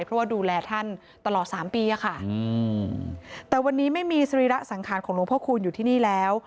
เพราะว่าดูแลท่านตลอดสามปีอะค่ะแต่วันนี้ไม่มีสรีระสังขารของหลวงพ่อคูณอยู่ที่นี่แล้ว